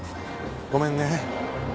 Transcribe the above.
ごめんね。